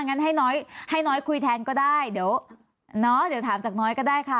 งั้นให้น้อยให้น้อยคุยแทนก็ได้เดี๋ยวเนาะเดี๋ยวถามจากน้อยก็ได้ค่ะ